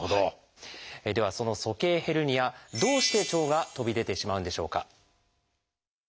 ではその鼠径ヘルニアどうして腸が飛び出てしまうんでしょうか。